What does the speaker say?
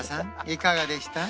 いかがでした？